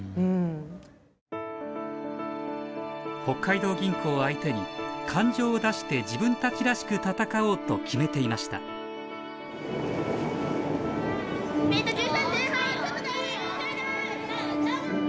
北海道銀行を相手に感情を出して自分たちらしく戦おうと決めていましたヤップ！